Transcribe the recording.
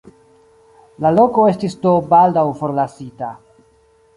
La loko estis do baldaŭ forlasita.